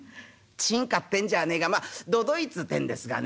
珍歌ってんじゃねえがまあ都々逸ってんですがね。